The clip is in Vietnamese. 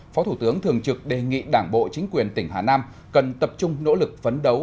phó thủ tướng thường trực đề nghị đảng bộ chính quyền tỉnh hà nam cần tập trung nỗ lực phấn đấu